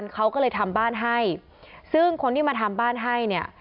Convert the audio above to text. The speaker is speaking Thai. เขาก็เลยทำบ้านให้ซึ่งคนที่มาทำบ้านให้เนี่ย